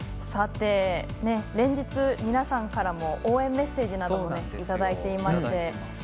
連日、皆さんからも応援メッセージなどもいただいておりまして